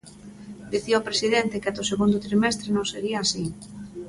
Dicía o presidente que ata o segundo trimestre non sería así.